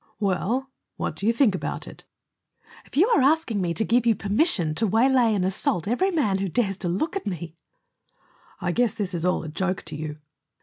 "Well, what do you think about it?" "If you are asking me to give you permission to waylay and assault every man who dares to look at me " "I guess this is all a joke to you."